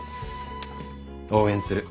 応援する。